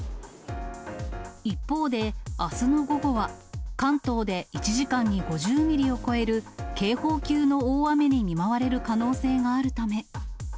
一方であすの午後は、関東で１時間に５０ミリを超える、警報級の大雨に見舞われる可能性があるため。